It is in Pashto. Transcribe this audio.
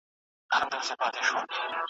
کشر ورور ویل چي زه جوړوم خونه .